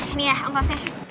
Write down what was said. ini ya angkosnya